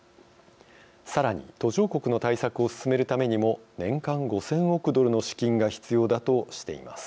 さらに途上国の対策を進めるためにも年間５，０００億ドルの資金が必要だとしています。